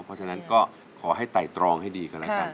เพราะฉะนั้นก็ขอให้ไต่ตรองให้ดีกันแล้วกัน